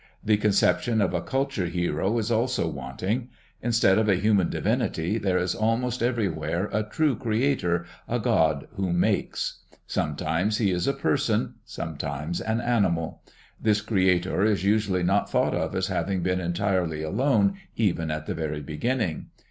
The conception of a culture hero is also wanting. Instead of a human divinity there is almost everywhere a true creator, a god who makes. Sometimes he is a person, sometimes an animal. This creator is usually not thought of as having been entirely alone even at the very beginning.